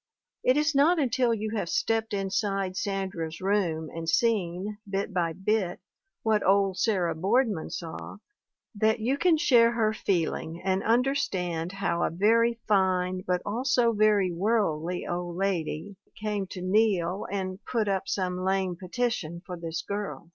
It is not until you have stepped inside Sandra's room and seen, bit by bit, what old Sarah Boardman saw, that you can share her feeling and understand how a very fine (but also very worldly) old lady came to kneel and "put up some lame petition for this girl."